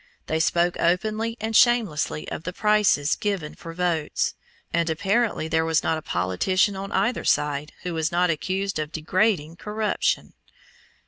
They spoke openly and shamelessly of the prices given for votes; and apparently there was not a politician on either side who was not accused of degrading corruption.